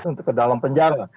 yang sudah ke dalam penjara